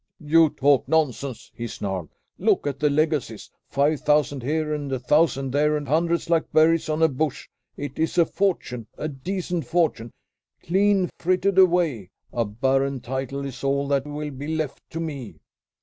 "You talk nonsense!" he snarled. "Look at the legacies! Five thousand here, and a thousand there, and hundreds like berries on a bush! It is a fortune, a decent fortune, clean frittered away! A barren title is all that will be left to me!"